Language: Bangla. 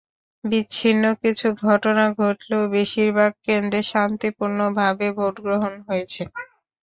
বিচ্ছিন্ন কিছু ঘটনা ঘটলেও বেশির ভাগ কেন্দ্রে শান্তিপূর্ণভাবে ভোট গ্রহণ হয়েছে।